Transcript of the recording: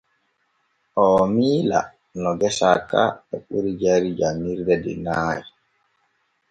Oo miila no gesa ka e ɓuri jayri janŋirde de nay.